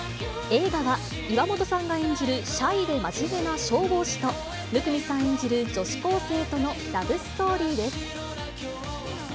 映画は、岩本さんが演じるシャイで真面目な消防士と、生見さん演じる女子高生とのラブストーリーです。